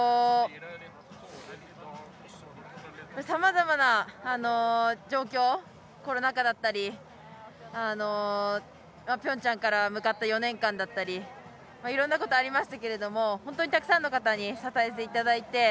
さまざまな状況コロナ禍だったりピョンチャンから向かった４年間だったりいろんなこと、ありましたけどもたくさんの方に支えていただき